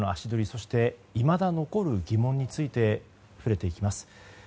そして、いまだ残る疑問について触れていきます。